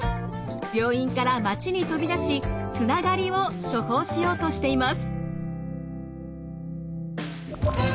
病院から町に飛び出しつながりを「処方」しようとしています。